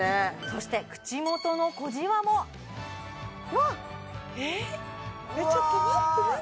そして口元の小じわもえっちょっと待って何？